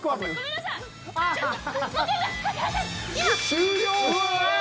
終了。